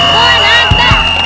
gol yang tak